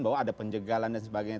bahwa ada penjagalan dan sebagainya